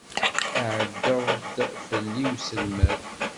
Iεeyyeḍ-d fell-i uselmad.